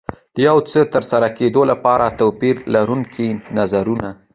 د یو څه ترسره کېدو لپاره توپير لرونکي نظرونه.